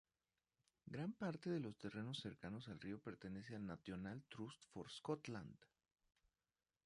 Gran parte de los terrenos cercanos al río pertenece al National Trust for Scotland.